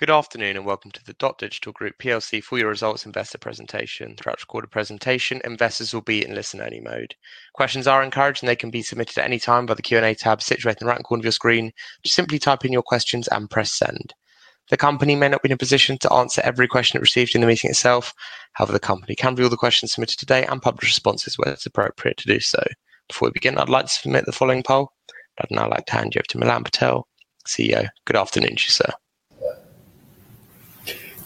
Good afternoon and welcome to the Dotdigital Group full-year results investor presentation. Throughout the recorded presentation, investors will be in listen-only mode. Questions are encouraged, and they can be submitted at any time via the Q&A tab situated in the right corner of your screen. Just simply type in your questions and press send. The company may not be in a position to answer every question it receives in the meeting itself. However, the company can view all the questions submitted today and publish responses where it is appropriate to do so. Before we begin, I'd like to submit the following poll. I'd now like to hand you over to Milan Patel, CEO. Good afternoon to you, sir.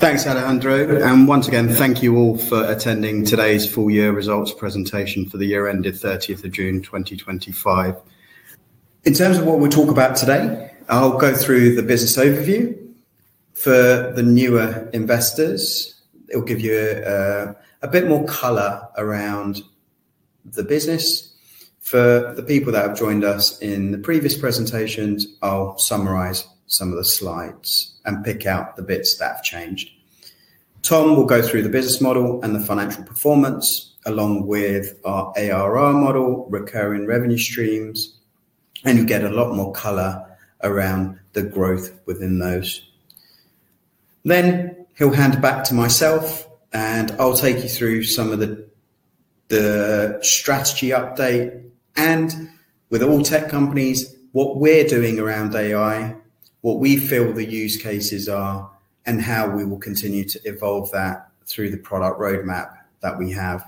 Thanks, Alejandro. Once again, thank you all for attending today's full-year results presentation for the year-end of 30th of June 2025. In terms of what we'll talk about today, I'll go through the business overview. For the newer investors, it'll give you a bit more color around the business. For the people that have joined us in the previous presentations, I'll summarize some of the slides and pick out the bits that have changed. Tom will go through the business model and the financial performance, along with our ARR model, recurring revenue streams, and you'll get a lot more color around the growth within those. He'll hand it back to myself, and I'll take you through some of the. Strategy update and, with all tech companies, what we're doing around AI, what we feel the use cases are, and how we will continue to evolve that through the product roadmap that we have.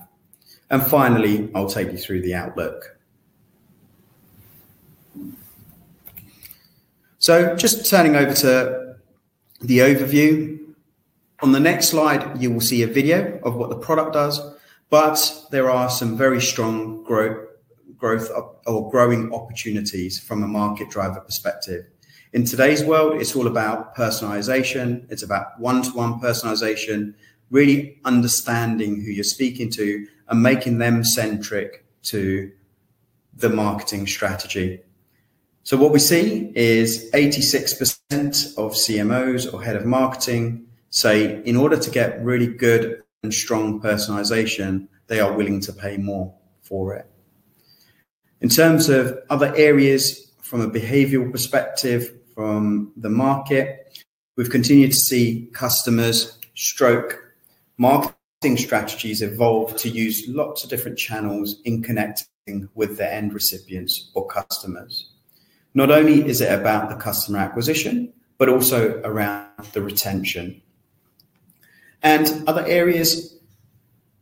Finally, I'll take you through the outlook. Just turning over to the overview. On the next slide, you will see a video of what the product does, but there are some very strong growth opportunities from a market driver perspective. In today's world, it's all about personalization. It's about one-to-one personalization, really understanding who you're speaking to and making them centric to the marketing strategy. What we see is 86% of CMOs or head of marketing say, in order to get really good and strong personalization, they are willing to pay more for it. In terms of other areas, from a behavioral perspective from the market, we've continued to see customers' marketing strategies evolve to use lots of different channels in connecting with their end recipients or customers. Not only is it about the customer acquisition, it is also around the retention. Other areas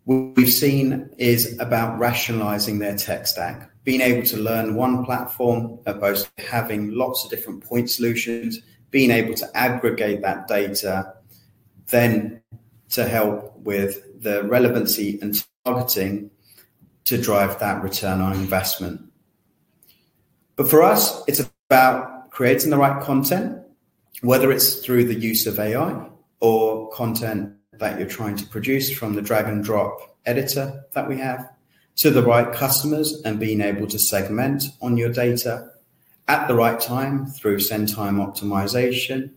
we've seen are about rationalizing their tech stack, being able to learn one platform, but also having lots of different point solutions, being able to aggregate that data, then to help with the relevancy and targeting to drive that return on investment. For us, it's about creating the right content, whether it's through the use of AI or content that you're trying to produce from the drag-and-drop editor that we have, to the right customers and being able to segment on your data at the right time through send-time optimization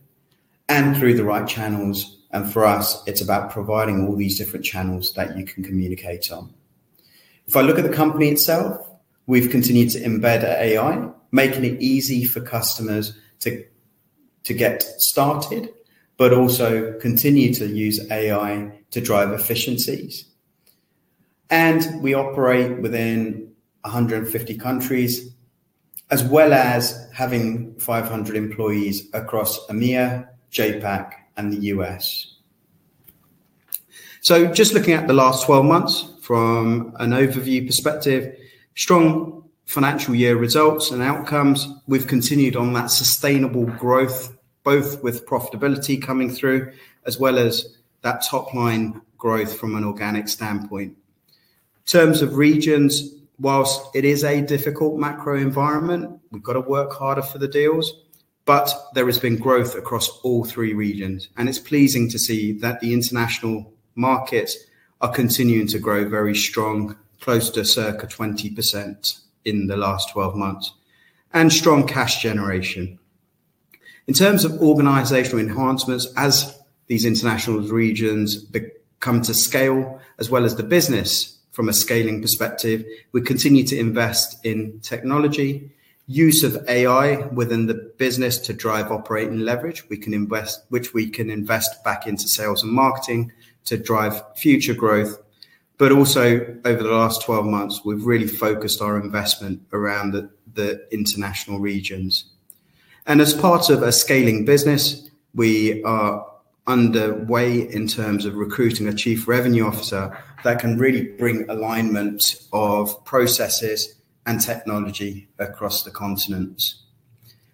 and through the right channels. For us, it's about providing all these different channels that you can communicate on. If I look at the company itself, we've continued to embed AI, making it easy for customers to get started, but also continue to use AI to drive efficiencies. We operate within 150 countries, as well as having 500 employees across EMEA, JPAC, and the U.S. Just looking at the last 12 months, from an overview perspective, strong financial year results and outcomes. We've continued on that sustainable growth, both with profitability coming through, as well as that top-line growth from an organic standpoint. In terms of regions, whilst it is a difficult macro environment, we've got to work harder for the deals, but there has been growth across all three regions. It is pleasing to see that the international markets are continuing to grow very strong, close to circa 20% in the last 12 months, and strong cash generation. In terms of organizational enhancements, as these international regions come to scale, as well as the business from a scaling perspective, we continue to invest in technology, use of AI within the business to drive operating leverage, which we can invest back into sales and marketing to drive future growth. Also, over the last 12 months, we have really focused our investment around the international regions. As part of a scaling business, we are underway in terms of recruiting a Chief Revenue Officer that can really bring alignment of processes and technology across the continent.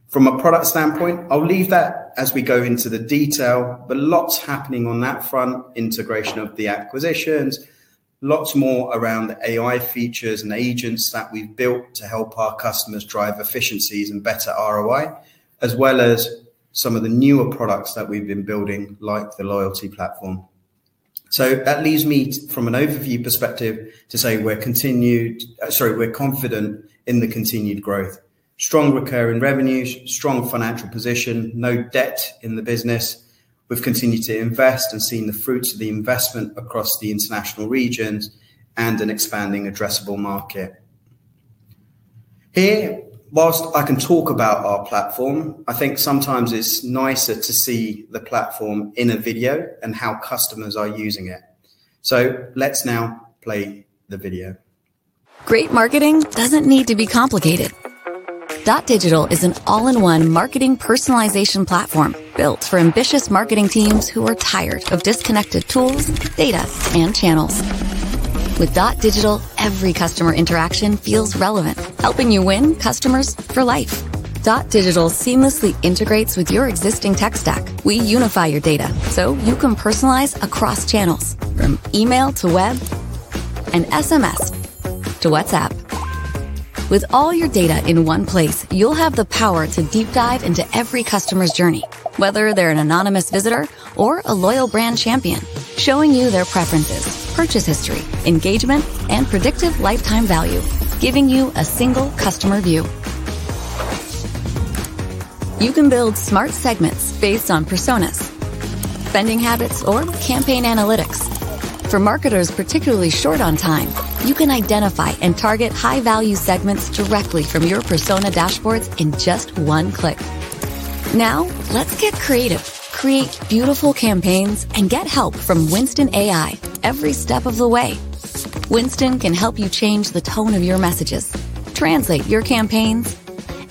From a product standpoint, I'll leave that as we go into the detail, but lots happening on that front, integration of the acquisitions, lots more around the AI features and agents that we've built to help our customers drive efficiencies and better ROI, as well as some of the newer products that we've been building, like the loyalty platform. That leaves me, from an overview perspective, to say we're confident in the continued growth, strong recurring revenues, strong financial position, no debt in the business. We've continued to invest and seen the fruits of the investment across the international regions and an expanding addressable market. Here, whilst I can talk about our platform, I think sometimes it's nicer to see the platform in a video and how customers are using it. Let's now play the video. Great marketing doesn't need to be complicated. Dotdigital is an all-in-one marketing personalization platform built for ambitious marketing teams who are tired of disconnected tools, data, and channels. With Dotdigital, every customer interaction feels relevant, helping you win customers for life. Dotdigital seamlessly integrates with your existing tech stack. We unify your data so you can personalize across channels, from email to web. And SMS to WhatsApp. With all your data in one place, you'll have the power to deep dive into every customer's journey, whether they're an anonymous visitor or a loyal brand champion, showing you their preferences, purchase history, engagement, and predictive lifetime value, giving you a single customer view. You can build smart segments based on personas, spending habits, or campaign analytics. For marketers particularly short on time, you can identify and target high-value segments directly from your persona dashboards in just one click. Now, let's get creative, create beautiful campaigns, and get help from Winston AI every step of the way. Winston can help you change the tone of your messages, translate your campaigns,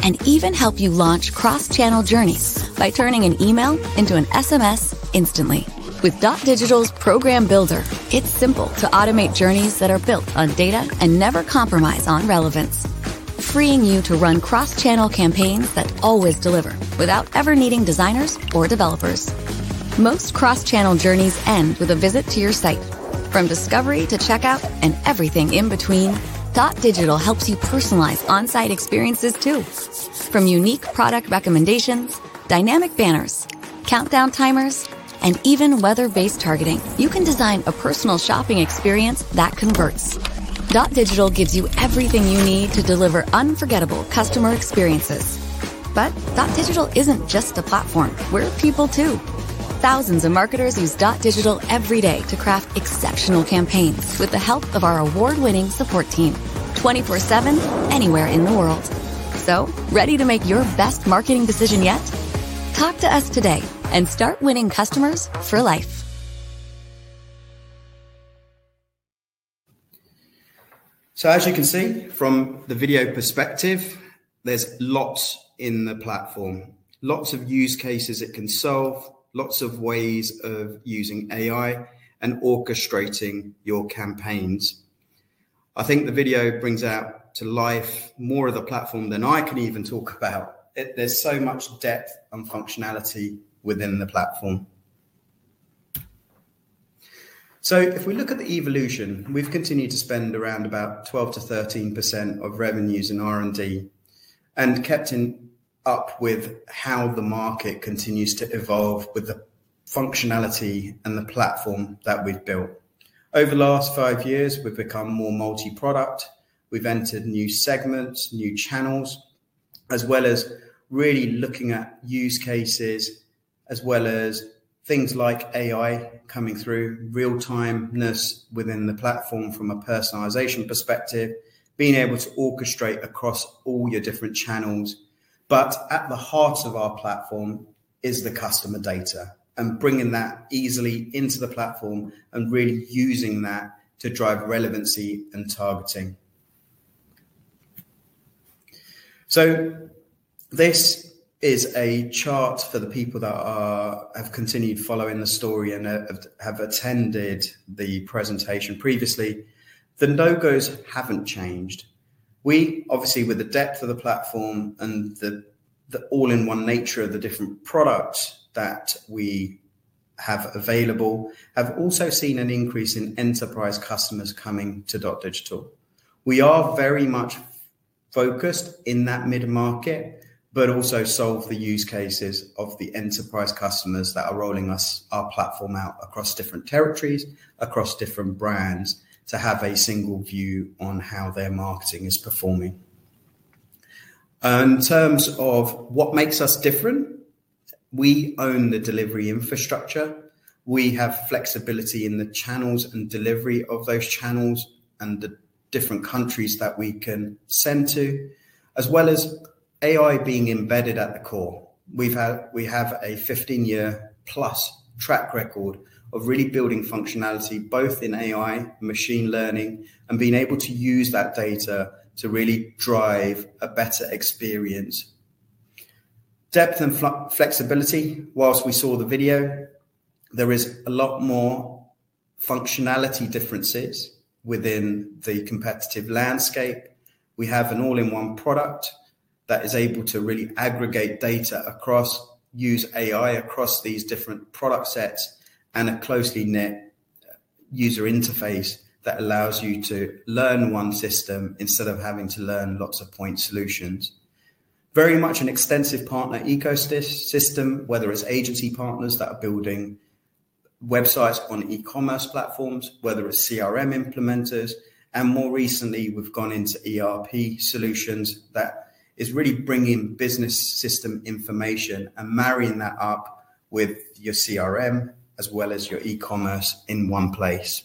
and even help you launch cross-channel journeys by turning an email into an SMS instantly. With Dotdigital's program builder, it's simple to automate journeys that are built on data and never compromise on relevance, freeing you to run cross-channel campaigns that always deliver without ever needing designers or developers. Most cross-channel journeys end with a visit to your site. From discovery to checkout and everything in between, Dotdigital helps you personalize on-site experiences too. From unique product recommendations, dynamic banners, countdown timers, and even weather-based targeting, you can design a personal shopping experience that converts. Dotdigital gives you everything you need to deliver unforgettable customer experiences. Dotdigital isn't just a platform; we're people too. Thousands of marketers use Dotdigital every day to craft exceptional campaigns with the help of our award-winning support team, 24/7, anywhere in the world. Ready to make your best marketing decision yet? Talk to us today and start winning customers for life. As you can see from the video perspective, there's lots in the platform, lots of use cases it can solve, lots of ways of using AI and orchestrating your campaigns. I think the video brings out to life more of the platform than I can even talk about. There's so much depth and functionality within the platform. If we look at the evolution, we've continued to spend around 12%-13% of revenues in R&D and kept up with how the market continues to evolve with the functionality and the platform that we've built. Over the last five years, we've become more multi-product. We've entered new segments, new channels, as well as really looking at use cases, as well as things like AI coming through, real-time-ness within the platform from a personalization perspective, being able to orchestrate across all your different channels. At the heart of our platform is the customer data and bringing that easily into the platform and really using that to drive relevancy and targeting. This is a chart for the people that have continued following the story and have attended the presentation previously. The no-goes have not changed. We, obviously, with the depth of the platform and the all-in-one nature of the different products that we have available, have also seen an increase in enterprise customers coming to Dotdigital. We are very much focused in that mid-market, but also solve the use cases of the enterprise customers that are rolling our platform out across different territories, across different brands, to have a single view on how their marketing is performing. In terms of what makes us different, we own the delivery infrastructure. We have flexibility in the channels and delivery of those channels and the different countries that we can send to, as well as AI being embedded at the core. We have a 15-year-plus track record of really building functionality both in AI, machine learning, and being able to use that data to really drive a better experience. Depth and flexibility, whilst we saw the video, there is a lot more. Functionality differences within the competitive landscape. We have an all-in-one product that is able to really aggregate data across, use AI across these different product sets, and a closely knit user interface that allows you to learn one system instead of having to learn lots of point solutions. Very much an extensive partner ecosystem, whether it's agency partners that are building. Websites on e-commerce platforms, whether it's CRM implementers, and more recently, we've gone into ERP solutions that are really bringing business system information and marrying that up with your CRM, as well as your e-commerce in one place.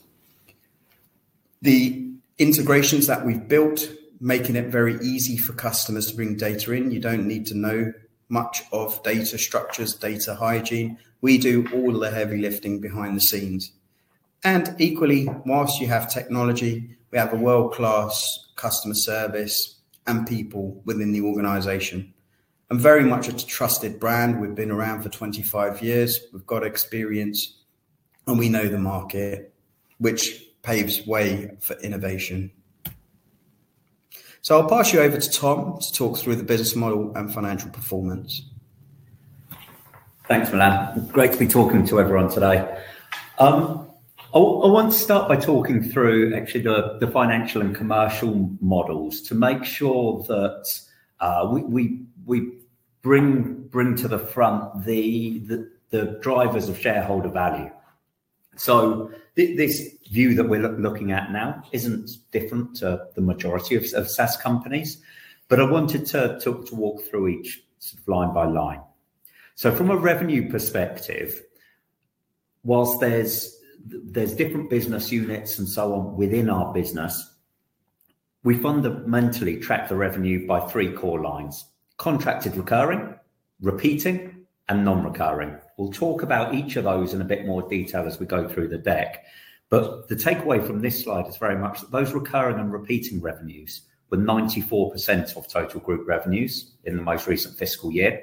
The integrations that we've built, making it very easy for customers to bring data in. You don't need to know much of data structures, data hygiene. We do all the heavy lifting behind the scenes. Equally, whilst you have technology, we have a world-class customer service and people within the organization. Very much a trusted brand. We've been around for 25 years. We've got experience, and we know the market, which paves the way for innovation. I'll pass you over to Tom to talk through the business model and financial performance. Thanks, Milan. Great to be talking to everyone today. I want to start by talking through, actually, the financial and commercial models to make sure that we bring to the front the drivers of shareholder value. This view that we're looking at now isn't different to the majority of SaaS companies, but I wanted to walk through each line by line. From a revenue perspective, whilst there's different business units and so on within our business, we fundamentally track the revenue by three core lines: contracted recurring, repeating, and non-recurring. We'll talk about each of those in a bit more detail as we go through the deck. The takeaway from this slide is very much that those recurring and repeating revenues were 94% of total group revenues in the most recent fiscal year.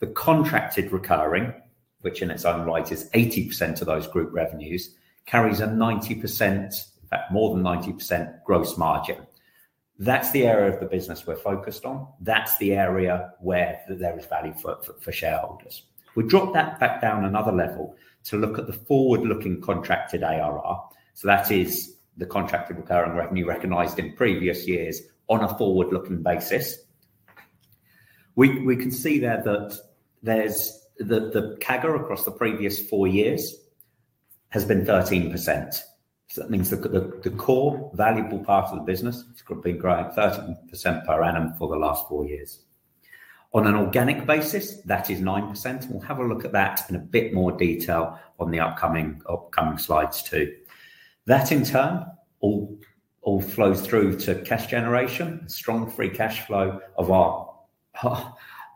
The contracted recurring, which in its own right is 80% of those group revenues, carries a 90%, in fact, more than 90% gross margin. That is the area of the business we are focused on. That is the area where there is value for shareholders. We drop that back down another level to look at the forward-looking contracted ARR. That is the contracted recurring revenue recognized in previous years on a forward-looking basis. We can see there that the CAGR across the previous four years has been 13%. That means the core valuable part of the business has been growing 13% per annum for the last four years. On an organic basis, that is 9%. We will have a look at that in a bit more detail on the upcoming slides too. That, in turn, all flows through to cash generation, a strong free cash flow of our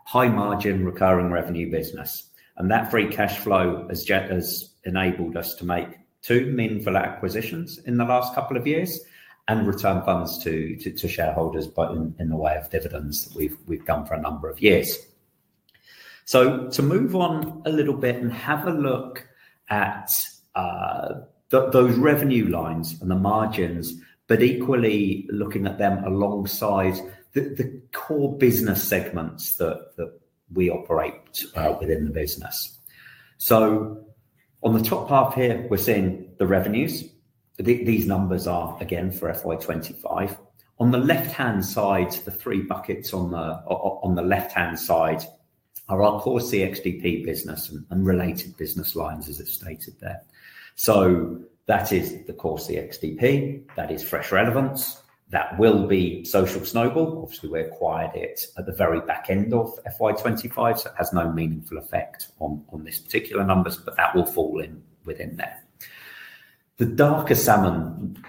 high-margin recurring revenue business. That free cash flow has enabled us to make two meaningful acquisitions in the last couple of years and return funds to shareholders in the way of dividends that we've done for a number of years. To move on a little bit and have a look at those revenue lines and the margins, but equally looking at them alongside the core business segments that we operate within the business. On the top half here, we're seeing the revenues. These numbers are, again, for FY2025. On the left-hand side, the three buckets on the left-hand side are our core CXDP business and related business lines, as it's stated there. That is the core CXDP. That is Fresh Relevance. That will be Social Snowball. Obviously, we acquired it at the very back end of FY25, so it has no meaningful effect on these particular numbers, but that will fall in within there. The darker salmon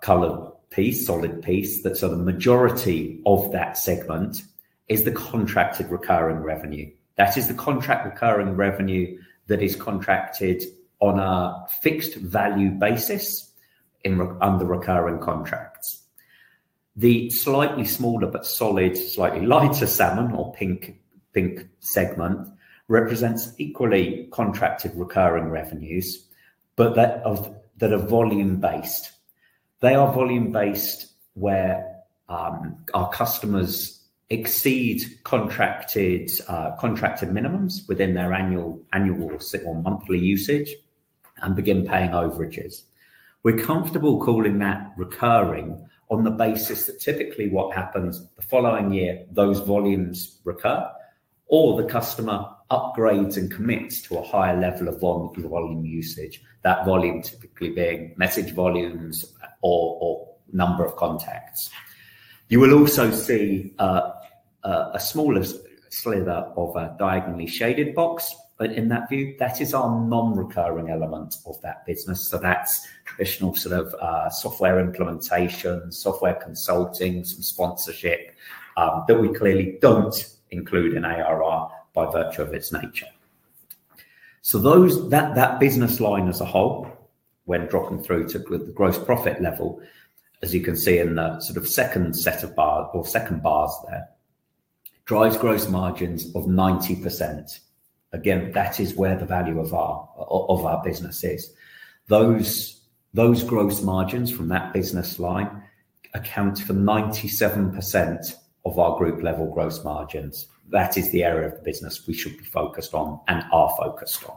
color piece, solid piece that's on the majority of that segment is the contracted recurring revenue. That is the contract recurring revenue that is contracted on a fixed value basis under recurring contracts. The slightly smaller but solid, slightly lighter salmon or pink segment represents equally contracted recurring revenues, but that are volume-based. They are volume-based where our customers exceed contracted minimums within their annual or monthly usage and begin paying overages. We're comfortable calling that recurring on the basis that typically what happens the following year, those volumes recur, or the customer upgrades and commits to a higher level of volume usage, that volume typically being message volumes or number of contacts. You will also see. A smaller sliver of a diagonally shaded box, but in that view, that is our non-recurring element of that business. That is traditional sort of software implementation, software consulting, some sponsorship that we clearly do not include in ARR by virtue of its nature. That business line as a whole, when dropping through to the gross profit level, as you can see in the sort of second set of bar or second bars there, drives gross margins of 90%. Again, that is where the value of our business is. Those gross margins from that business line account for 97% of our group-level gross margins. That is the area of the business we should be focused on and are focused on.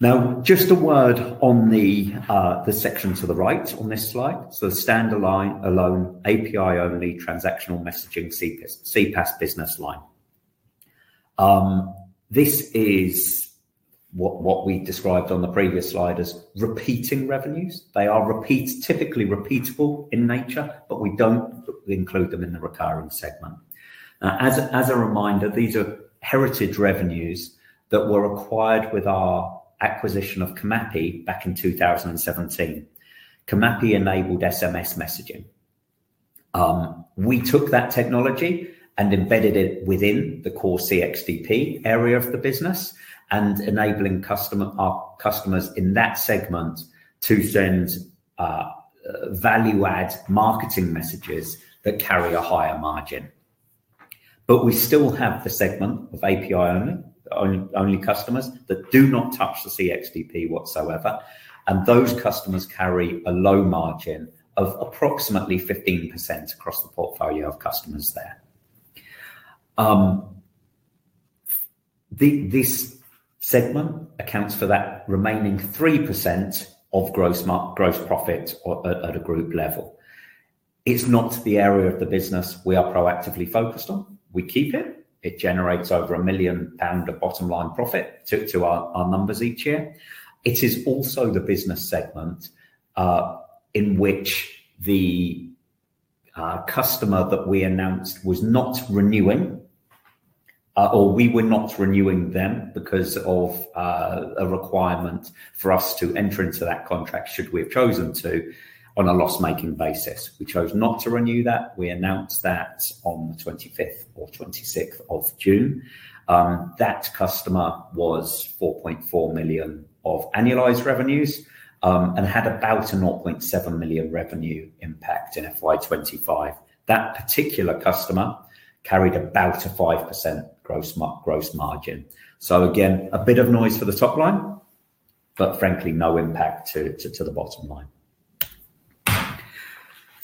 Now, just a word on the section to the right on this slide. The standalone, API-only transactional messaging CPASS business line. This is. What we described on the previous slide as repeating revenues. They are typically repeatable in nature, but we do not include them in the recurring segment. As a reminder, these are heritage revenues that were acquired with our acquisition of Kamapi back in 2017. Kamapi enabled SMS messaging. We took that technology and embedded it within the core CXDP area of the business and enabling our customers in that segment to send value-add marketing messages that carry a higher margin. We still have the segment of API-only customers that do not touch the CXDP whatsoever, and those customers carry a low margin of approximately 15% across the portfolio of customers there. This segment accounts for that remaining 3% of gross profit at a group level. It is not the area of the business we are proactively focused on. We keep it. It generates over 1 million pound of bottom-line profit to our numbers each year. It is also the business segment in which the customer that we announced was not renewing, or we were not renewing them because of a requirement for us to enter into that contract should we have chosen to on a loss-making basis. We chose not to renew that. We announced that on the 25th or 26th of June. That customer was 4.4 million of annualized revenues and had about a 0.7 million revenue impact in FY2025. That particular customer carried about a 5% gross margin. Again, a bit of noise for the top line, but frankly, no impact to the bottom line.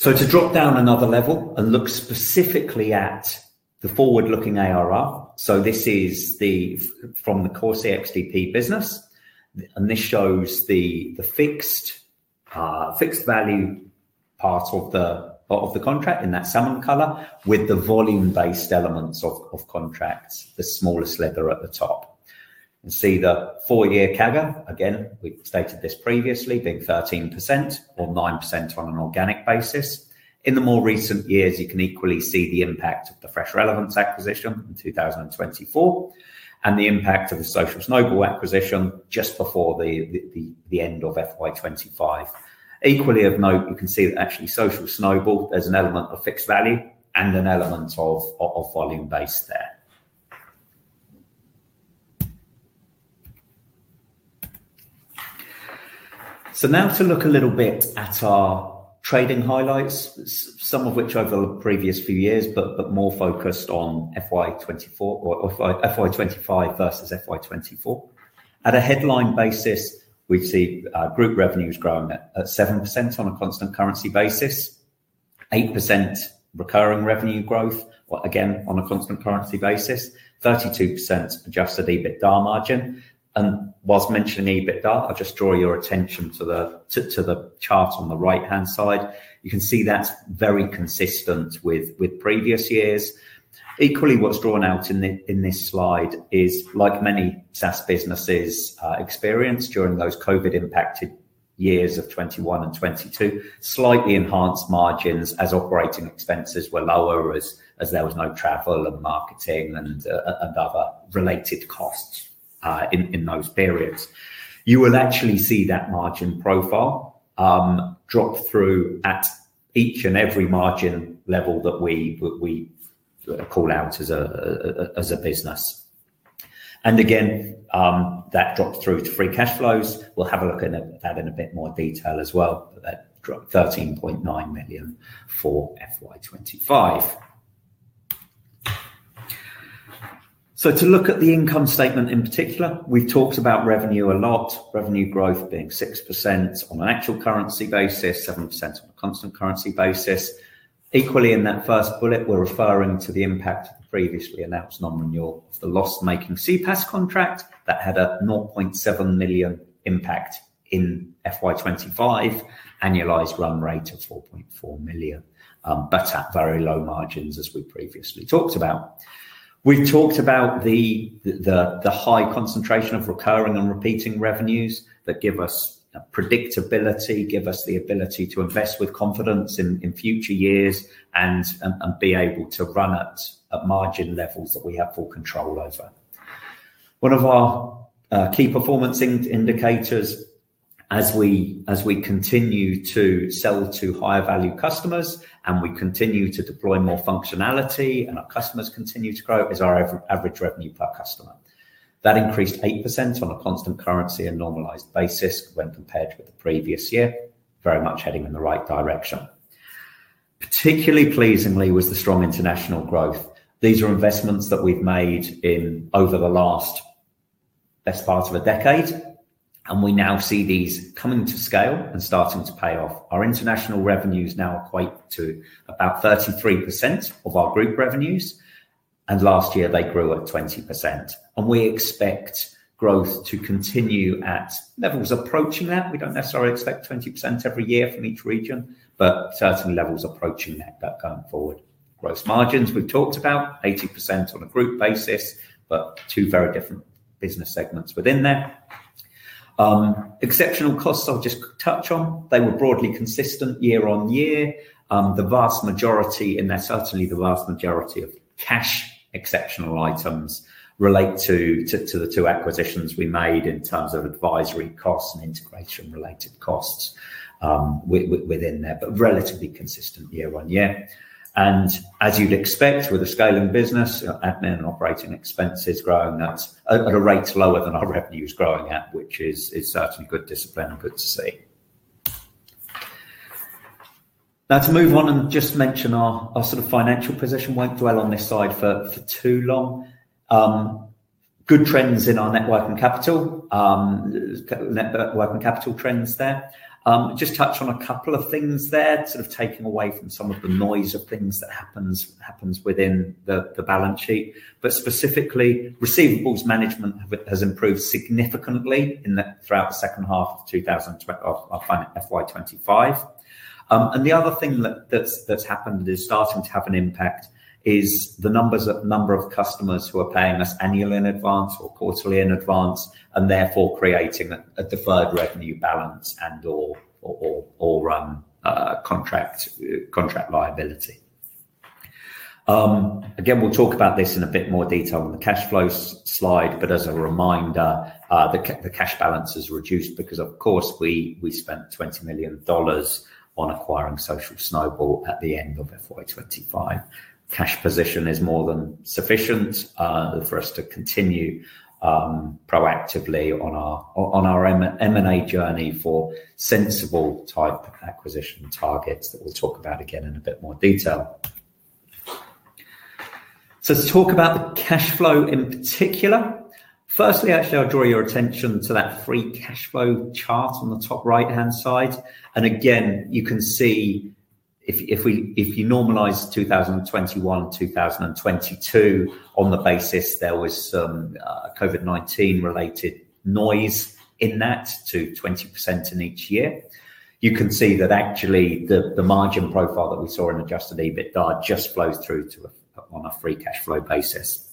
To drop down another level and look specifically at the forward-looking ARR, this is from the core CXDP business. This shows the fixed value part of the. Contract in that salmon color with the volume-based elements of contracts, the smallest sliver at the top. You can see the four-year CAGR, again, we stated this previously, being 13% or 9% on an organic basis. In the more recent years, you can equally see the impact of the Fresh Relevance acquisition in 2024 and the impact of the Social Snowball acquisition just before the end of FY25. Equally, of note, you can see that actually Social Snowball, there's an element of fixed value and an element of volume base there. Now to look a little bit at our trading highlights, some of which over the previous few years, but more focused on FY25 versus FY24. At a headline basis, we see group revenues growing at 7% on a constant currency basis. 8% recurring revenue growth, again, on a constant currency basis, 32% adjusted EBITDA margin. Whilst mentioning EBITDA, I'll just draw your attention to the chart on the right-hand side. You can see that's very consistent with previous years. Equally, what's drawn out in this slide is, like many SaaS businesses experienced during those COVID-impacted years of 2021 and 2022, slightly enhanced margins as operating expenses were lower as there was no travel and marketing and other related costs in those periods. You will actually see that margin profile drop through at each and every margin level that we call out as a business. Again, that dropped through to free cash flows. We'll have a look at that in a bit more detail as well. That dropped $13.9 million for FY2025. To look at the income statement in particular, we've talked about revenue a lot, revenue growth being 6% on an actual currency basis, 7% on a constant currency basis. Equally, in that first bullet, we're referring to the impact of the previously announced non-renewal of the loss-making CPASS contract that had a 0.7 million impact in FY2025, annualized run rate of 4.4 million, but at very low margins, as we previously talked about. We've talked about the high concentration of recurring and repeating revenues that give us predictability, give us the ability to invest with confidence in future years and be able to run at margin levels that we have full control over. One of our key performance indicators, as we continue to sell to higher-value customers and we continue to deploy more functionality and our customers continue to grow, is our average revenue per customer. That increased 8% on a constant currency and normalized basis when compared with the previous year, very much heading in the right direction. Particularly pleasingly was the strong international growth. These are investments that we've made over the last, best part of a decade, and we now see these coming to scale and starting to pay off. Our international revenues now equate to about 33% of our group revenues, and last year, they grew at 20%. We expect growth to continue at levels approaching that. We do not necessarily expect 20% every year from each region, but certainly levels approaching that going forward. Gross margins, we've talked about, 80% on a group basis, but two very different business segments within there. Exceptional costs, I'll just touch on. They were broadly consistent year on year. The vast majority, and they are certainly the vast majority of cash exceptional items, relate to the two acquisitions we made in terms of advisory costs and integration-related costs within there, but relatively consistent year on year. As you'd expect, with a scaling business, admin and operating expenses are growing at a rate lower than our revenues are growing at, which is certainly good discipline and good to see. To move on and just mention our sort of financial position, I won't dwell on this side for too long. Good trends in our net working capital. Net working capital trends there. Just touch on a couple of things there, sort of taking away from some of the noise of things that happen within the balance sheet. Specifically, receivables management has improved significantly throughout the second half of FY2025. The other thing that's happened and is starting to have an impact is the number of customers who are paying us annually in advance or quarterly in advance, and therefore creating a deferred revenue balance and/or contract liability. Again, we'll talk about this in a bit more detail on the cash flow slide, but as a reminder, the cash balance is reduced because, of course, we spent $20 million on acquiring Social Snowball at the end of FY2025. Cash position is more than sufficient for us to continue proactively on our M&A journey for sensible type acquisition targets that we'll talk about again in a bit more detail. To talk about the cash flow in particular. Firstly, actually, I'll draw your attention to that free cash flow chart on the top right-hand side. Again, you can see, if you normalize 2021 and 2022 on the basis there was some COVID-19-related noise in that to 20% in each year, you can see that actually the margin profile that we saw in adjusted EBITDA just flows through on a free cash flow basis.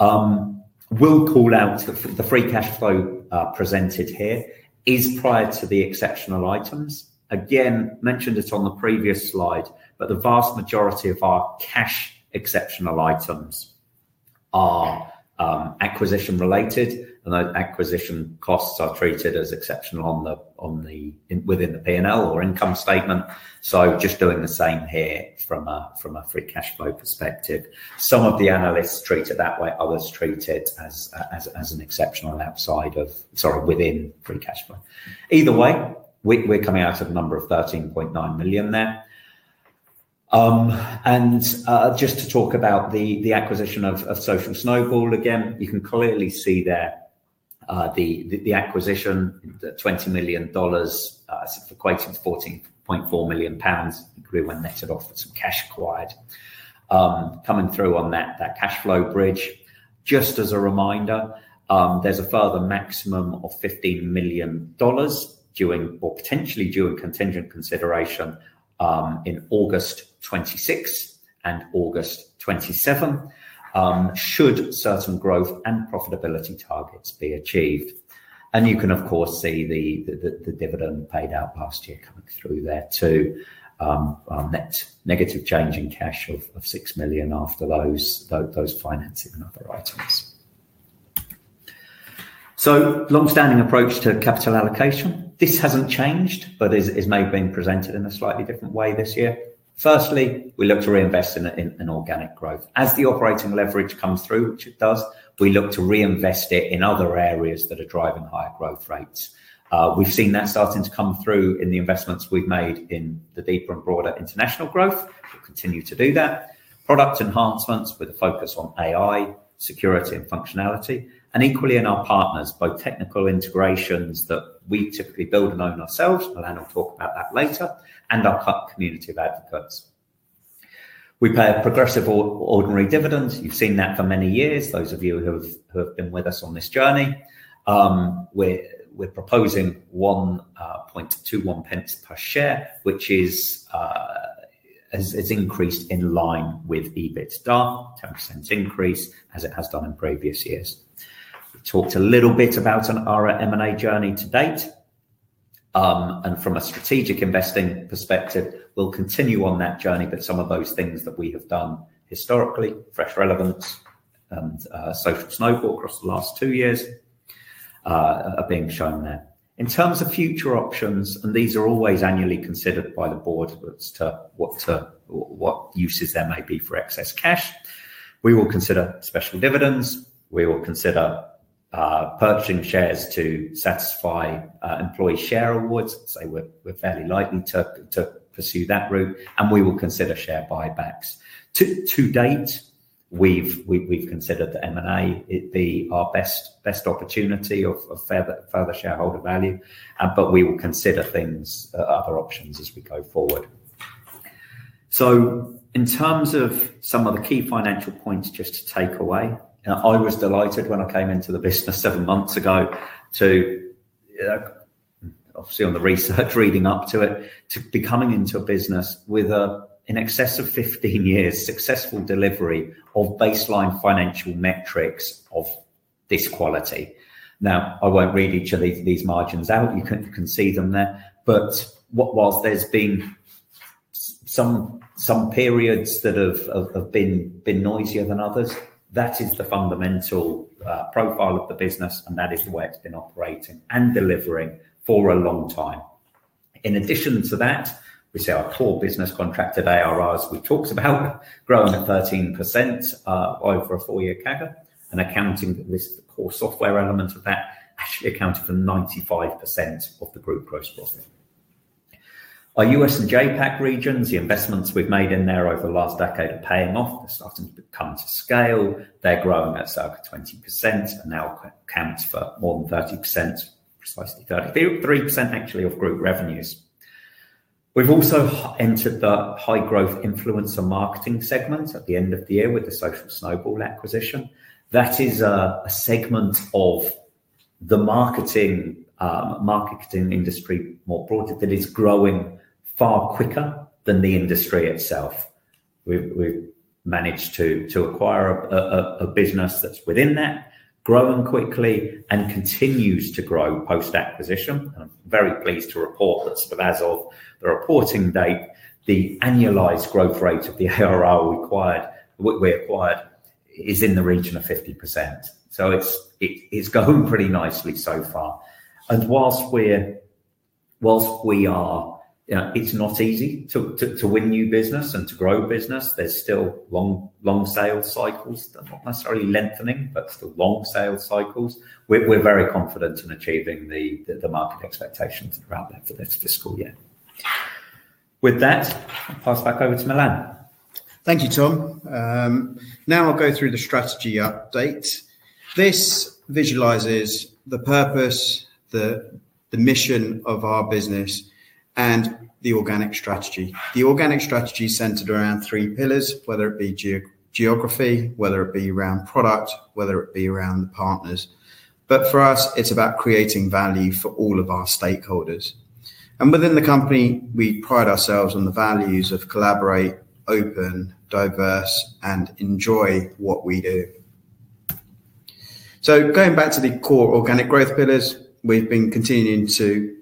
We'll call out the free cash flow presented here is prior to the exceptional items. Again, mentioned it on the previous slide, but the vast majority of our cash exceptional items are acquisition-related, and those acquisition costs are treated as exceptional within the P&L or income statement. Just doing the same here from a free cash flow perspective. Some of the analysts treat it that way. Others treat it as an exceptional outside of, sorry, within free cash flow. Either way, we're coming out of a number of 13.9 million there. Just to talk about the acquisition of Social Snowball again, you can clearly see there the acquisition, the $20 million equating to 14.4 million pounds, including when netted off with some cash acquired, coming through on that cash flow bridge. Just as a reminder, there's a further maximum of $15 million potentially due to contingent consideration. In August 2026 and August 2027. Should certain growth and profitability targets be achieved. You can, of course, see the dividend paid out last year coming through there too. Negative change in cash of 6 million after those financing and other items. Long-standing approach to capital allocation. This has not changed, but it has maybe been presented in a slightly different way this year. Firstly, we look to reinvest in organic growth. As the operating leverage comes through, which it does, we look to reinvest it in other areas that are driving higher growth rates. We have seen that starting to come through in the investments we have made in the deeper and broader international growth. We will continue to do that. Product enhancements with a focus on AI, security, and functionality. Equally, in our partners, both technical integrations that we typically build and own ourselves. Alanna will talk about that later. Our community of advocates. We pay a progressive ordinary dividend. You have seen that for many years, those of you who have been with us on this journey. We are proposing 0.0121 per share, which has increased in line with EBITDA, 10% increase as it has done in previous years. We talked a little bit about our M&A journey to date. From a strategic investing perspective, we will continue on that journey, but some of those things that we have done historically, Fresh Relevance and Social Snowball across the last two years, are being shown there. In terms of future options, and these are always annually considered by the board as to what uses there may be for excess cash, we will consider special dividends. We will consider purchasing shares to satisfy employee share awards. We are fairly likely to pursue that route. We will consider share buybacks. To date, we've considered the M&A to be our best opportunity of further shareholder value, but we will consider other options as we go forward. In terms of some of the key financial points just to take away, I was delighted when I came into the business seven months ago. Obviously, on the research reading up to it, to be coming into a business with an excess of 15 years successful delivery of baseline financial metrics of this quality. I won't read each of these margins out. You can see them there. Whilst there's been some periods that have been noisier than others, that is the fundamental profile of the business, and that is the way it's been operating and delivering for a long time. In addition to that, we see our core business contracted ARRs, we talked about, growing at 13%. Over a four-year CAGR, and accounting with the core software element of that, actually accounting for 95% of the group gross profit. Our U.S. and JPAC regions, the investments we've made in there over the last decade are paying off. They're starting to come to scale. They're growing at circa 20%, and now accounts for more than 30%, precisely 30% actually of group revenues. We've also entered the high-growth influencer marketing segment at the end of the year with the Social Snowball acquisition. That is a segment of the marketing industry more broadly that is growing far quicker than the industry itself. We've managed to acquire a business that's within that, growing quickly and continues to grow post-acquisition. I'm very pleased to report that sort of as of the reporting date, the annualized growth rate of the ARR we acquired is in the region of 50%. It's going pretty nicely so far. Whilst we are, it's not easy to win new business and to grow business, there are still long sales cycles. They're not necessarily lengthening, but still long sales cycles. We're very confident in achieving the market expectations around that for this fiscal year. With that, I'll pass back over to Milan. Thank you, Tom. Now I'll go through the strategy update. This visualizes the purpose, the mission of our business, and the organic strategy. The organic strategy is centered around three pillars, whether it be geography, whether it be around product, whether it be around the partners. For us, it's about creating value for all of our stakeholders. Within the company, we pride ourselves on the values of collaborate, open, diverse, and enjoy what we do. Going back to the core organic growth pillars, we've been continuing to.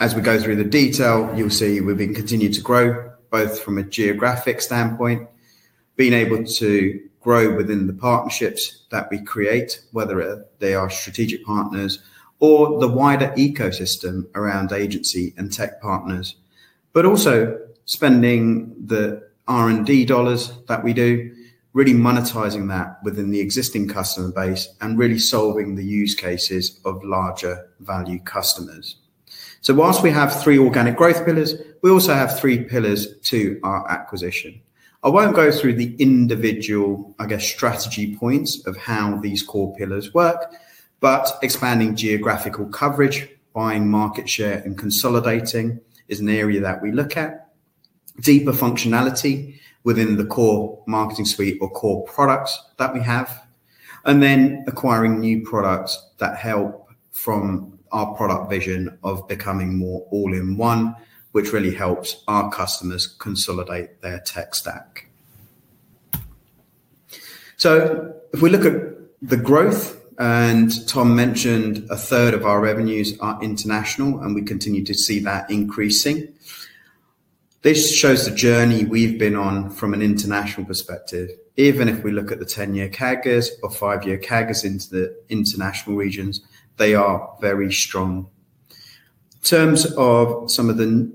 As we go through the detail, you'll see we've been continuing to grow both from a geographic standpoint. Being able to grow within the partnerships that we create, whether they are strategic partners or the wider ecosystem around agency and tech partners. Also spending the R&D dollars that we do, really monetizing that within the existing customer base and really solving the use cases of larger value customers. Whilst we have three organic growth pillars, we also have three pillars to our acquisition. I won't go through the individual, I guess, strategy points of how these core pillars work, but expanding geographical coverage, buying market share, and consolidating is an area that we look at. Deeper functionality within the core marketing suite or core products that we have. Acquiring new products that help from our product vision of becoming more all-in-one, which really helps our customers consolidate their tech stack. If we look at the growth, and Tom mentioned a third of our revenues are international, we continue to see that increasing. This shows the journey we have been on from an international perspective. Even if we look at the 10-year CAGRs or 5-year CAGRs into the international regions, they are very strong. In terms of some of the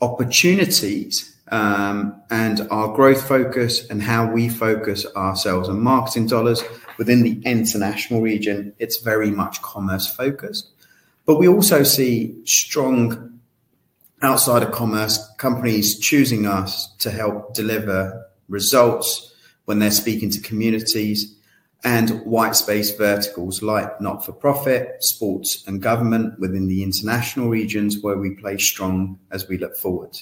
opportunities, our growth focus and how we focus ourselves on marketing dollars within the international region, it is very much commerce-focused. We also see strong, outside of commerce, companies choosing us to help deliver results when they are speaking to communities and white space verticals like not-for-profit, sports, and government within the international regions where we play strong as we look forward.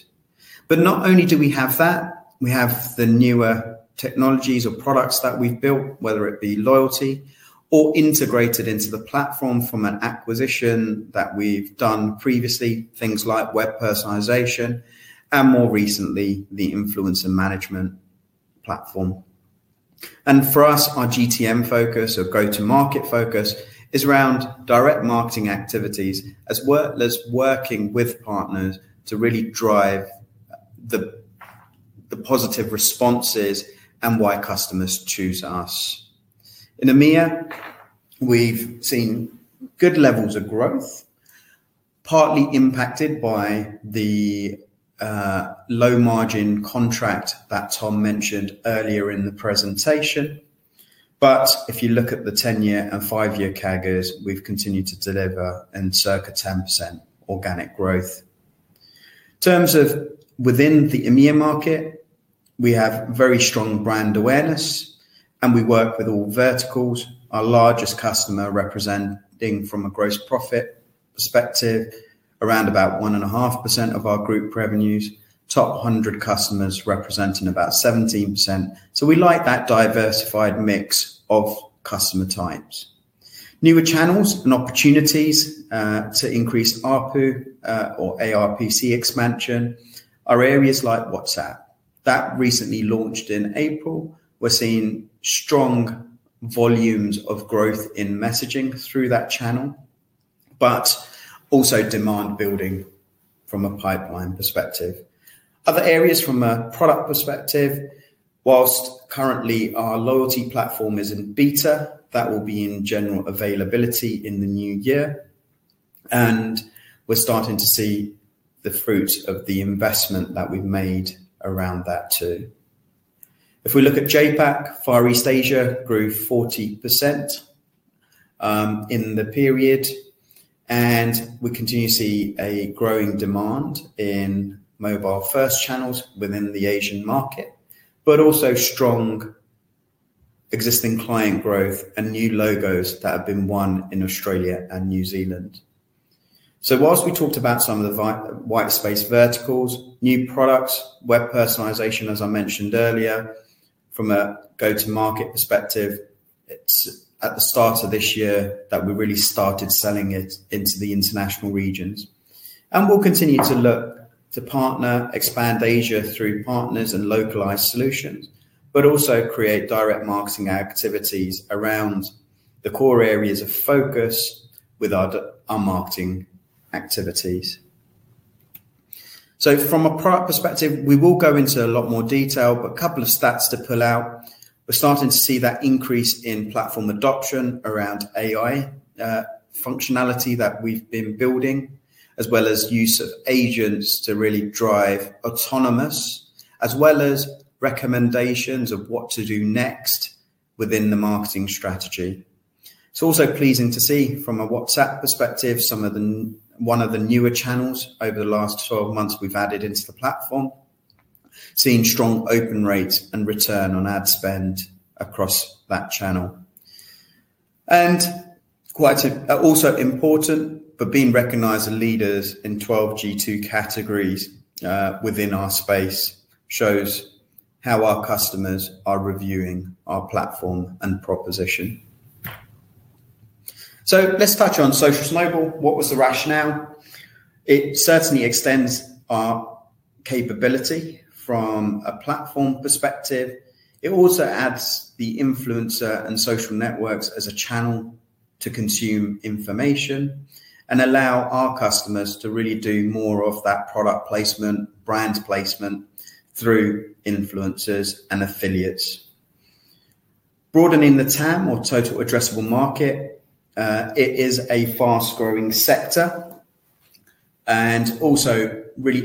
Not only do we have that, we have the newer technologies or products that we've built, whether it be loyalty or integrated into the platform from an acquisition that we've done previously, things like web personalization and more recently, the influencer management platform. For us, our GTM focus or go-to-market focus is around direct marketing activities as well as working with partners to really drive the positive responses and why customers choose us. In EMEA, we've seen good levels of growth, partly impacted by the low-margin contract that Tom mentioned earlier in the presentation. If you look at the 10-year and 5-year CAGRs, we've continued to deliver and circa 10% organic growth. In terms of within the EMEA market, we have very strong brand awareness, and we work with all verticals. Our largest customer representing from a gross profit perspective around about 1.5% of our group revenues, top 100 customers representing about 17%. We like that diversified mix of customer types. Newer channels and opportunities to increase ARPC expansion are areas like WhatsApp that recently launched in April. We are seeing strong volumes of growth in messaging through that channel, but also demand building from a pipeline perspective. Other areas from a product perspective, whilst currently our loyalty platform is in beta, that will be in general availability in the new year. We are starting to see the fruits of the investment that we have made around that too. If we look at JPAC, Far East Asia grew 40% in the period. We continue to see a growing demand in mobile-first channels within the Asian market, but also strong. Existing client growth and new logos that have been won in Australia and New Zealand. Whilst we talked about some of the white space verticals, new products, web personalization, as I mentioned earlier, from a go-to-market perspective, it's at the start of this year that we really started selling it into the international regions. We will continue to look to partner, expand Asia through partners and localized solutions, but also create direct marketing activities around the core areas of focus with our marketing activities. From a product perspective, we will go into a lot more detail, but a couple of stats to pull out. We're starting to see that increase in platform adoption around AI. Functionality that we've been building, as well as use of agents to really drive autonomous, as well as recommendations of what to do next within the marketing strategy. It's also pleasing to see from a WhatsApp perspective, one of the newer channels over the last 12 months we've added into the platform. Seeing strong open rates and return on ad spend across that channel. Quite also important, being recognized as leaders in 12 G2 categories within our space shows how our customers are reviewing our platform and proposition. Let's touch on Social Snowball. What was the rationale? It certainly extends our capability from a platform perspective. It also adds the influencer and social networks as a channel to consume information and allow our customers to really do more of that product placement, brand placement through influencers and affiliates. Broadening the TAM or total addressable market. It is a fast-growing sector. Also, really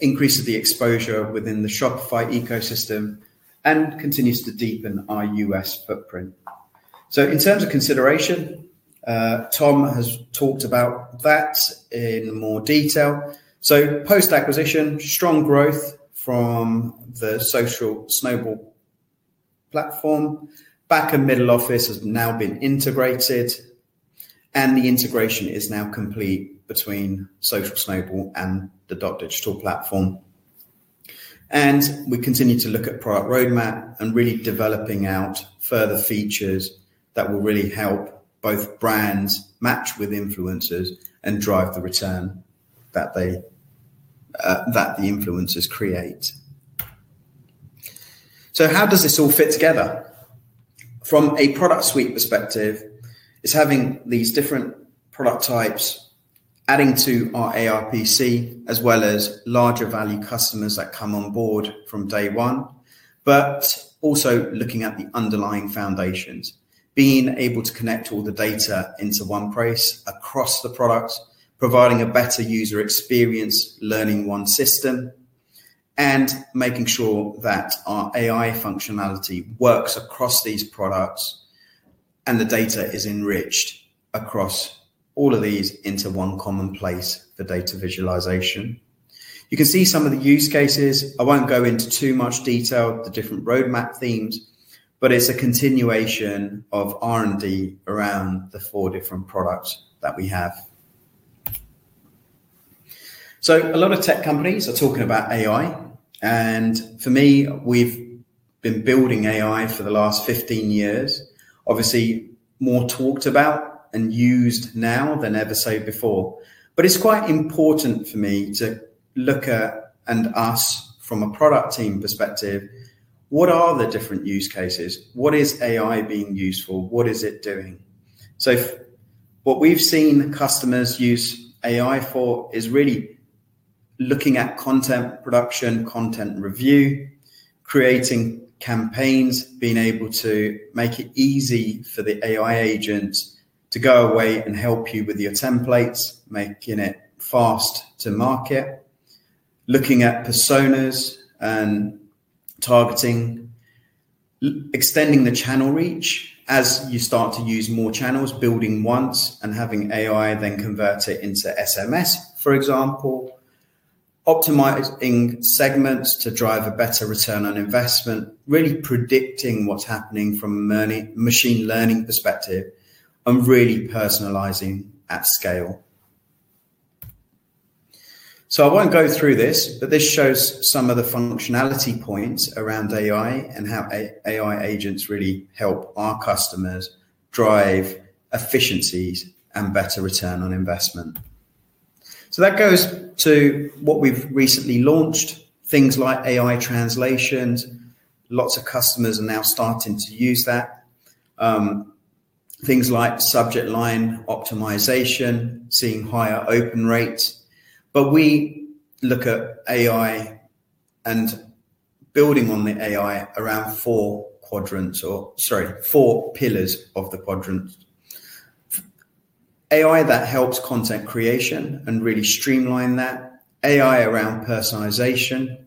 increases the exposure within the Shopify ecosystem and continues to deepen our U.S. footprint. In terms of consideration. Tom has talked about that in more detail. Post-acquisition, strong growth from the Social Snowball platform. Back and middle office has now been integrated. The integration is now complete between Social Snowball and the Dotdigital platform. We continue to look at product roadmap and really developing out further features that will really help both brands match with influencers and drive the return that the influencers create. How does this all fit together? From a product suite perspective, it's having these different product types, adding to our ARPC, as well as larger value customers that come on board from day one, but also looking at the underlying foundations, being able to connect all the data into one place across the products, providing a better user experience, learning one system, and making sure that our AI functionality works across these products and the data is enriched across all of these into one commonplace for data visualization. You can see some of the use cases. I won't go into too much detail, the different roadmap themes, but it's a continuation of R&D around the four different products that we have. A lot of tech companies are talking about AI. For me, we've been building AI for the last 15 years. Obviously, more talked about and used now than ever so before. It is quite important for me to look at and ask from a product team perspective, what are the different use cases? What is AI being used for? What is it doing? What we have seen customers use AI for is really looking at content production, content review, creating campaigns, being able to make it easy for the AI agents to go away and help you with your templates, making it fast to market. Looking at personas and targeting. Extending the channel reach as you start to use more channels, building once and having AI then convert it into SMS, for example. Optimizing segments to drive a better ROI, really predicting what is happening from a machine learning perspective and really personalizing at scale. I won't go through this, but this shows some of the functionality points around AI and how AI agents really help our customers drive efficiencies and better return on investment. That goes to what we've recently launched, things like AI translations. Lots of customers are now starting to use that. Things like subject line optimization, seeing higher open rates. We look at AI. And building on the AI around four quadrants or, sorry, four pillars of the quadrants. AI that helps content creation and really streamline that. AI around personalization.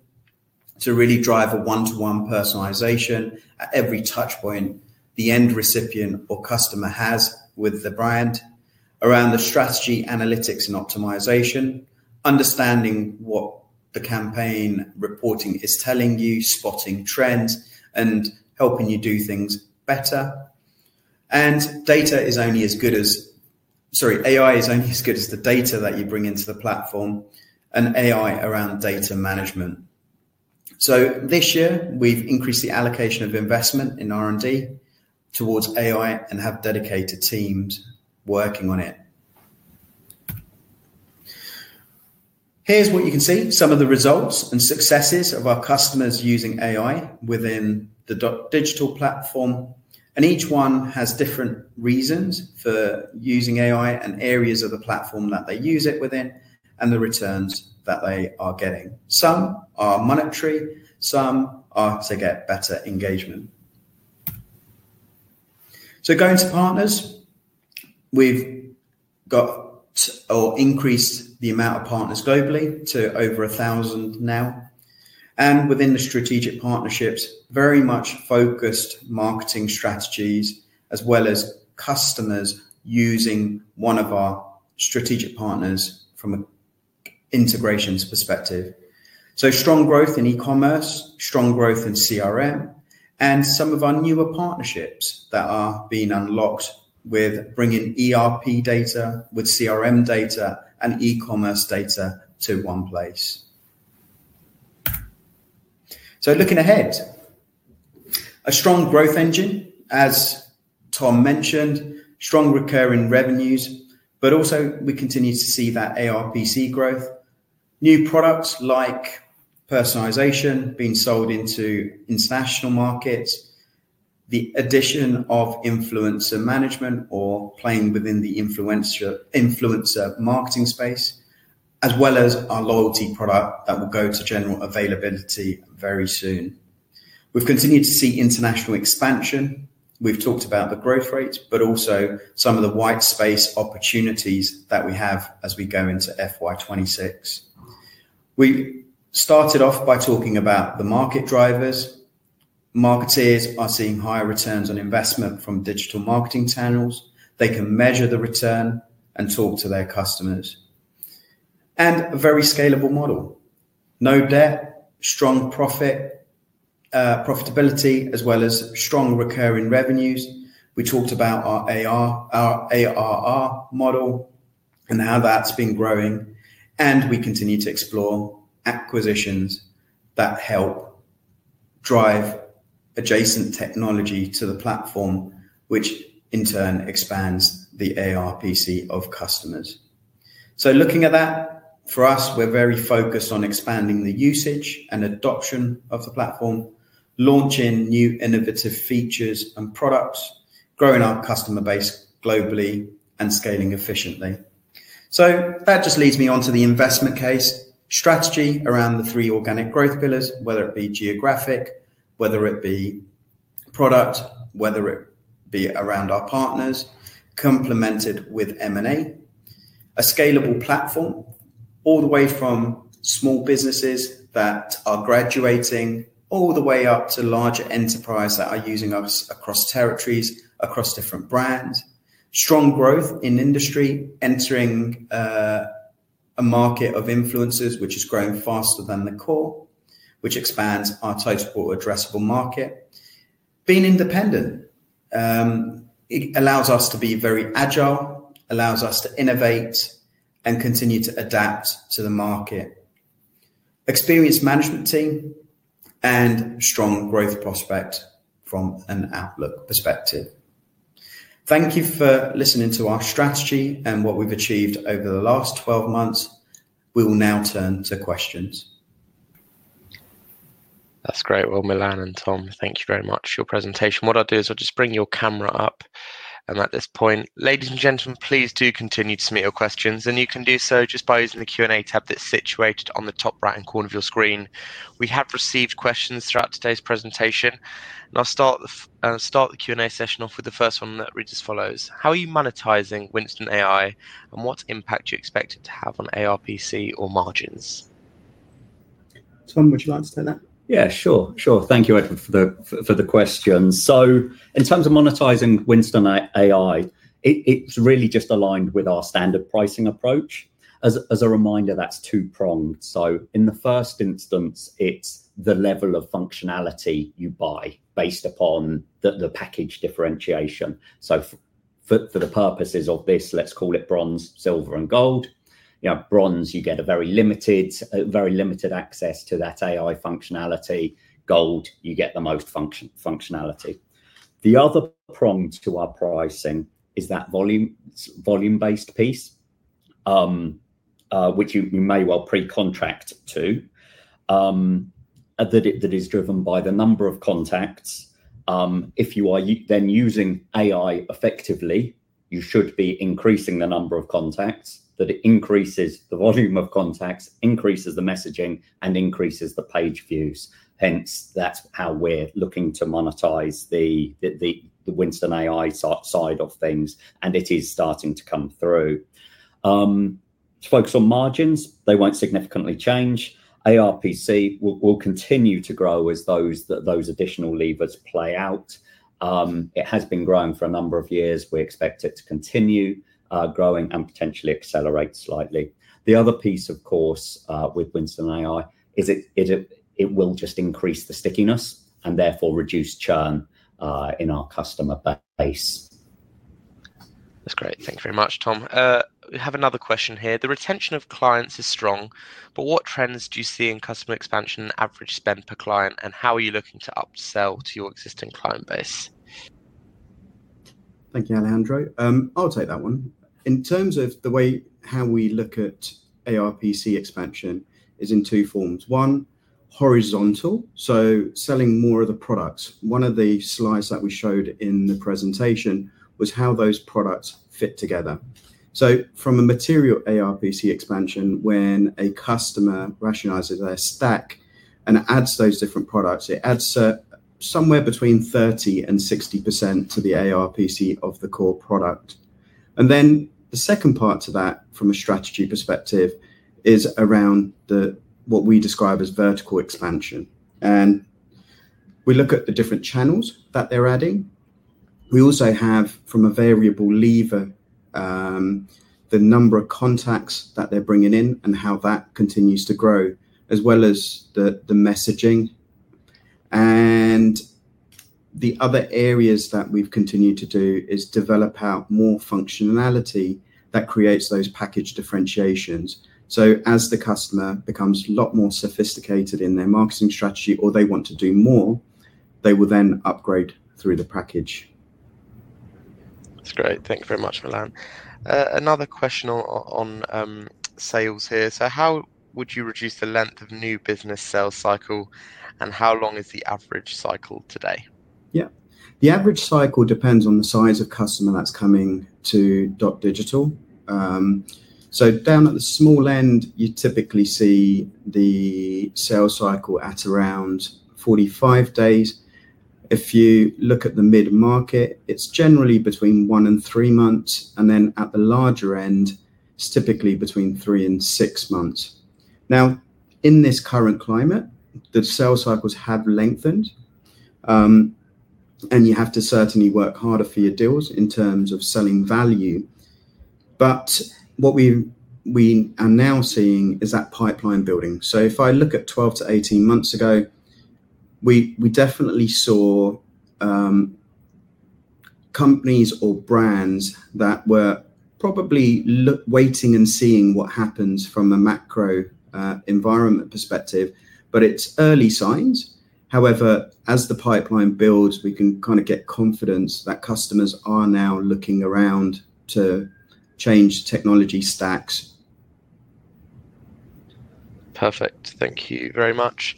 To really drive a one-to-one personalization at every touchpoint the end recipient or customer has with the brand, around the strategy, analytics, and optimization, understanding what the campaign reporting is telling you, spotting trends, and helping you do things better. AI is only as good as the data that you bring into the platform and AI around data management. This year, we've increased the allocation of investment in R&D towards AI and have dedicated teams working on it. Here's what you can see, some of the results and successes of our customers using AI within the Dotdigital platform. Each one has different reasons for using AI and areas of the platform that they use it within and the returns that they are getting. Some are monetary. Some are to get better engagement. Going to partners, we've increased the amount of partners globally to over 1,000 now. Within the strategic partnerships, very much focused marketing strategies as well as customers using one of our strategic partners from an integrations perspective. Strong growth in e-commerce, strong growth in CRM, and some of our newer partnerships that are being unlocked with bringing ERP data with CRM data and e-commerce data to one place. Looking ahead, a strong growth engine, as Tom mentioned, strong recurring revenues, but also we continue to see that ARPC growth. New products like personalization being sold into international markets, the addition of influencer management or playing within the influencer marketing space, as well as our loyalty product that will go to general availability very soon. We have continued to see international expansion. We have talked about the growth rates, but also some of the white space opportunities that we have as we go into FY2026. We started off by talking about the market drivers. Marketeers are seeing higher returns on investment from digital marketing channels. They can measure the return and talk to their customers. A very scalable model. No debt, strong profit. Profitability, as well as strong recurring revenues. We talked about our ARR model and how that's been growing. We continue to explore acquisitions that help drive adjacent technology to the platform, which in turn expands the ARPC of customers. Looking at that, for us, we're very focused on expanding the usage and adoption of the platform, launching new innovative features and products, growing our customer base globally, and scaling efficiently. That just leads me on to the investment case strategy around the three organic growth pillars, whether it be geographic, whether it be product, whether it be around our partners, complemented with M&A. A scalable platform all the way from small businesses that are graduating all the way up to larger enterprises that are using us across territories, across different brands. Strong growth in industry, entering. A market of influencers, which is growing faster than the core, which expands our total addressable market. Being independent allows us to be very agile, allows us to innovate, and continue to adapt to the market. Experienced management team and strong growth prospect from an outlook perspective. Thank you for listening to our strategy and what we've achieved over the last 12 months. We will now turn to questions. That is great. Milan and Tom, thank you very much for your presentation. What I will do is I will just bring your camera up. At this point, ladies and gentlemen, please do continue to submit your questions. You can do so just by using the Q&A tab that is situated on the top right-hand corner of your screen. We have received questions throughout today's presentation. I will start the Q&A session off with the first one that reads as follows. How are you monetizing Winston AI and what impact do you expect it to have on ARPC or margins? Tom, would you like to take that? Yeah, sure. Thank you for the question. In terms of monetizing Winston AI, it's really just aligned with our standard pricing approach. As a reminder, that's two-pronged. In the first instance, it's the level of functionality you buy based upon the package differentiation. For the purposes of this, let's call it bronze, silver, and gold. Bronze, you get very limited access to that AI functionality. Gold, you get the most functionality. The other prong to our pricing is that volume-based piece, which you may well pre-contract to. That is driven by the number of contacts. If you are then using AI effectively, you should be increasing the number of contacts. That increases the volume of contacts, increases the messaging, and increases the page views. Hence, that is how we are looking to monetize the Winston AI side of things. It is starting to come through. Focus on margins. They will not significantly change. ARPC will continue to grow as those additional levers play out. It has been growing for a number of years. We expect it to continue growing and potentially accelerate slightly. The other piece, of course, with Winston AI, is it will just increase the stickiness and therefore reduce churn in our customer base. That is great. Thank you very much, Tom. We have another question here. The retention of clients is strong, but what trends do you see in customer expansion and average spend per client? How are you looking to upsell to your existing client base? Thank you, Alejandro. I will take that one. In terms of the way how we look at ARPC expansion is in two forms. One, horizontal, so selling more of the products. One of the slides that we showed in the presentation was how those products fit together. From a material ARPC expansion, when a customer rationalizes their stack and adds those different products, it adds somewhere between 30-60% to the ARPC of the core product. The second part to that, from a strategy perspective, is around what we describe as vertical expansion. We look at the different channels that they're adding. We also have, from a variable lever, the number of contacts that they're bringing in and how that continues to grow, as well as the messaging. The other areas that we've continued to do is develop out more functionality that creates those package differentiations. As the customer becomes a lot more sophisticated in their marketing strategy or they want to do more, they will then upgrade through the package. That's great. Thank you very much, Milan. Another question on sales here. How would you reduce the length of new business sales cycle and how long is the average cycle today? Yeah. The average cycle depends on the size of customer that's coming to Dotdigital. Down at the small end, you typically see the sales cycle at around 45 days. If you look at the mid-market, it's generally between one and three months. At the larger end, it's typically between three and six months. In this current climate, the sales cycles have lengthened. You have to certainly work harder for your deals in terms of selling value. What we are now seeing is that pipeline building. If I look at 12 to 18 months ago, we definitely saw companies or brands that were probably waiting and seeing what happens from a macro environment perspective. It is early signs. However, as the pipeline builds, we can kind of get confidence that customers are now looking around to change technology stacks. Perfect. Thank you very much.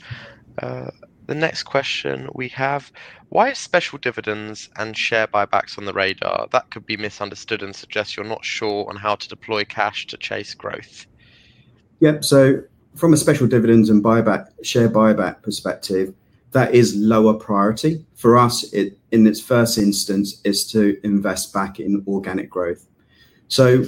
The next question we have, why is special dividends and share buybacks on the radar? That could be misunderstood and suggests you are not sure on how to deploy cash to chase growth. Yep. From a special dividends and share buyback perspective, that is lower priority. For us, in this first instance, it is to invest back in organic growth.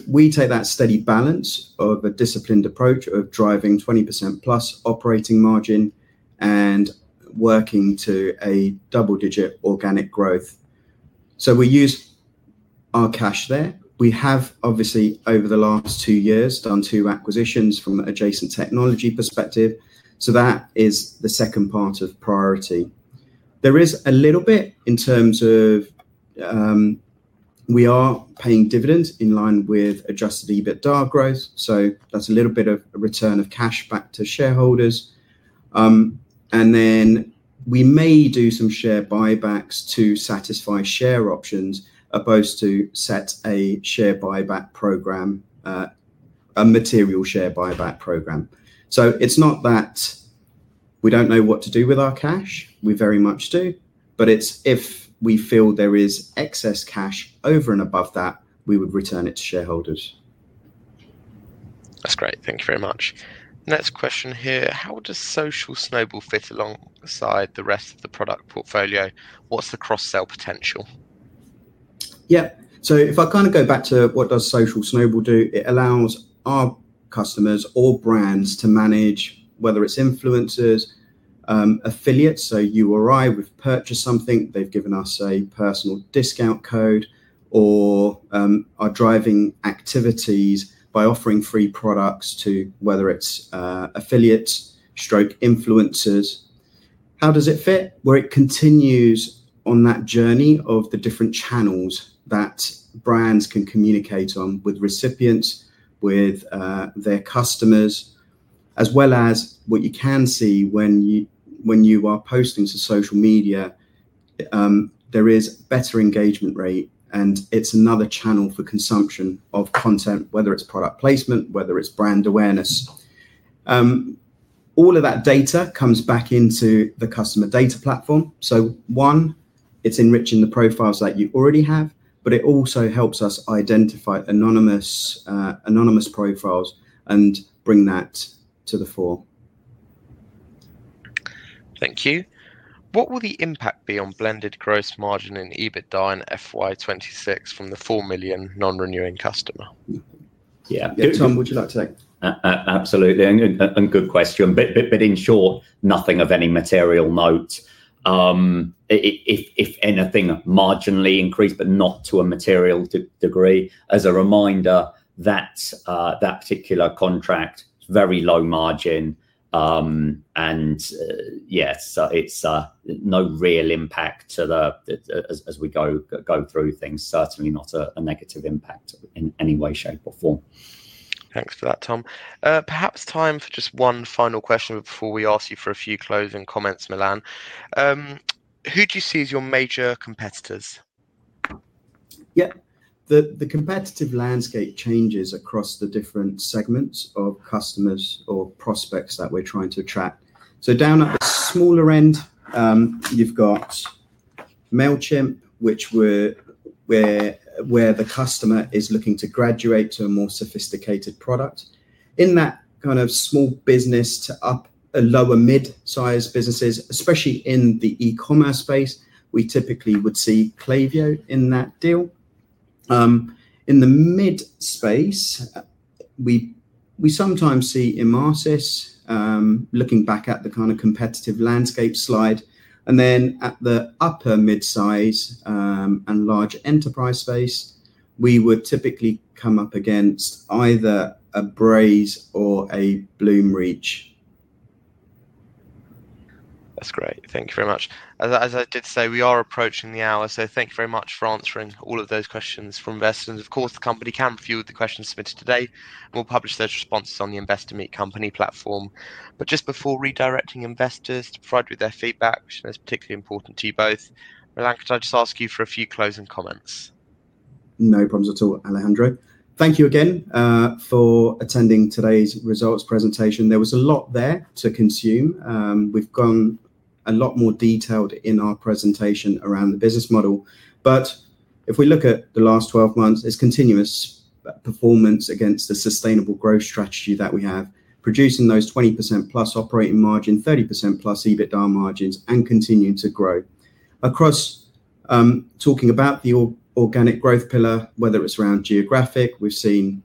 We take that steady balance of a disciplined approach of driving 20%+ operating margin and working to a double-digit organic growth. We use our cash there. We have, obviously, over the last two years, done two acquisitions from an adjacent technology perspective. That is the second part of priority. There is a little bit in terms of we are paying dividends in line with adjusted EBITDA growth. That is a little bit of a return of cash back to shareholders. We may do some share buybacks to satisfy share options as opposed to set a share buyback program, a material share buyback program. It is not that we do not know what to do with our cash. We very much do. If we feel there is excess cash over and above that, we would return it to shareholders. That is great. Thank you very much. Next question here. How does Social Snowball fit alongside the rest of the product portfolio? What is the cross-sell potential? Yep. If I kind of go back to what does Social Snowball do, it allows our customers or brands to manage, whether it's influencers, affiliates, so you or I would purchase something. They've given us a personal discount code or are driving activities by offering free products to whether it's affiliates stroke influencers. How does it fit? It continues on that journey of the different channels that brands can communicate on with recipients, with their customers, as well as what you can see when you are posting to social media. There is a better engagement rate, and it's another channel for consumption of content, whether it's product placement, whether it's brand awareness. All of that data comes back into the customer data platform. One, it's enriching the profiles that you already have, but it also helps us identify anonymous profiles and bring that to the fore. Thank you. What will the impact be on blended gross margin and EBITDA in FY2026 from the $4 million non-renewing customer? Yeah. Good. Tom, would you like to take? Absolutely. And good question. But in short, nothing of any material note. If anything, marginally increased, but not to a material degree. As a reminder, that particular contract is very low margin. And yes, it's no real impact as we go through things. Certainly not a negative impact in any way, shape, or form. Thanks for that, Tom. Perhaps time for just one final question before we ask you for a few closing comments, Milan. Who do you see as your major competitors? Yeah. The competitive landscape changes across the different segments of customers or prospects that we're trying to attract. Down at the smaller end, you've got Mailchimp, which, where the customer is looking to graduate to a more sophisticated product. In that kind of small business to lower-mid-sized businesses, especially in the e-commerce space, we typically would see Klaviyo in that deal. In the mid-space, we sometimes see Emarsys. Looking back at the kind of competitive landscape slide, and then at the upper-mid-size and large enterprise space, we would typically come up against either a Braze or a Bloomreach. That's great. Thank you very much. As I did say, we are approaching the hour. Thank you very much for answering all of those questions from investors. Of course, the company can view the questions submitted today. We'll publish those responses on the Investor Meet Company platform. Just before redirecting investors to provide their feedback, which is particularly important to you both, Milan, could I just ask you for a few closing comments? No problems at all, Alejandro. Thank you again for attending today's results presentation. There was a lot there to consume. We've gone a lot more detailed in our presentation around the business model. If we look at the last 12 months, it's continuous performance against the sustainable growth strategy that we have, producing those 20%+ operating margin, 30%+ EBITDA margins, and continuing to grow. Across. Talking about the organic growth pillar, whether it's around geographic, we've seen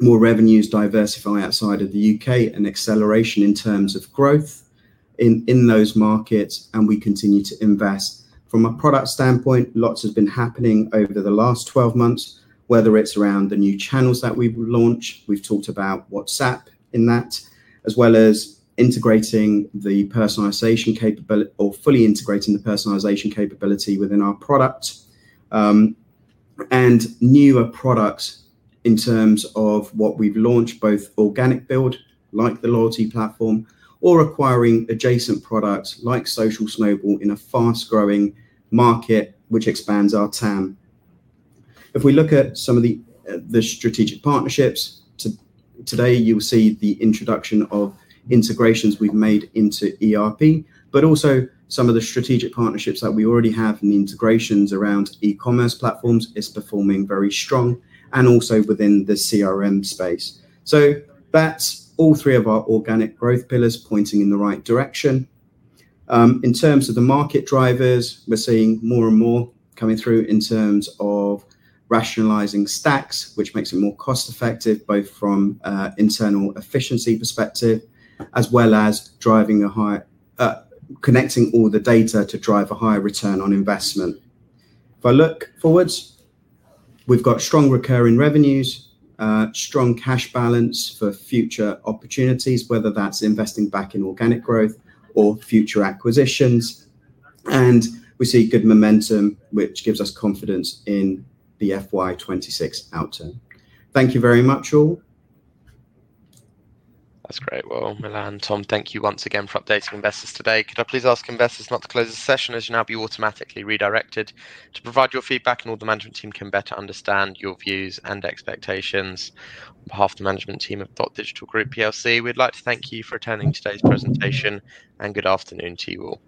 more revenues diversify outside of the U.K. and acceleration in terms of growth. In those markets, and we continue to invest. From a product standpoint, lots has been happening over the last 12 months, whether it's around the new channels that we launched. We've talked about WhatsApp in that, as well as integrating the personalization capability or fully integrating the personalization capability within our product. Newer products in terms of what we've launched, both organic build, like the loyalty platform, or acquiring adjacent products like Social Snowball in a fast-growing market, which expands our TAM. If we look at some of the strategic partnerships, today you'll see the introduction of integrations we've made into ERP, but also some of the strategic partnerships that we already have in integrations around e-commerce platforms is performing very strong and also within the CRM space. That's all three of our organic growth pillars pointing in the right direction. In terms of the market drivers, we're seeing more and more coming through in terms of rationalizing stacks, which makes it more cost-effective, both from an internal efficiency perspective as well as driving a high connecting all the data to drive a higher ROI. If I look forwards. We've got strong recurring revenues, strong cash balance for future opportunities, whether that's investing back in organic growth or future acquisitions. We see good momentum, which gives us confidence in the FY2026 outcome. Thank you very much, all. That's great. Milan and Tom, thank you once again for updating investors today. Could I please ask investors not to close the session as you will now be automatically redirected to provide your feedback so the management team can better understand your views and expectations. On behalf of the management team of Dotdigital Group, we'd like to thank you for attending today's presentation, and good afternoon to you all.